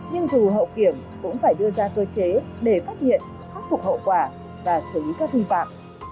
nhưng dù hậu kiểm cũng phải đưa ra cơ chế để phát hiện khắc phục hậu quả và xử lý các vi phạm